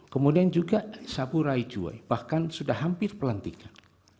kemudian juga saburai jua bahkan sudah hampir pelantikan